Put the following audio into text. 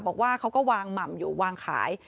บอกว่าเขาก็วางหม่ำอยู่วางขาย